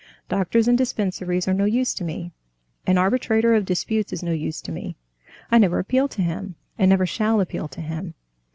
Doctors and dispensaries are no use to me. An arbitrator of disputes is no use to me. I never appeal to him, and never shall appeal to him.